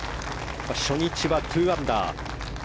初日は２アンダー。